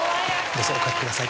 どうぞお掛けください。